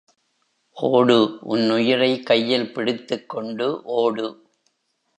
ஓடு - உன் உயிரை கையில் பிடித்துக்கொண்டு ஓடு!